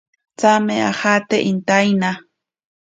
Tsame ajate intaina.